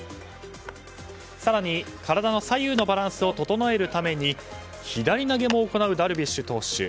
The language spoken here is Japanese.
更に体の左右のバランスを整えるために左投げも行うダルビッシュ投手。